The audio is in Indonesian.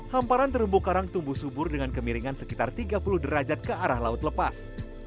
hamparan terumbu karang tumbuh subur dengan kemiringan sekitar tiga puluh derajat ke arah laut lepas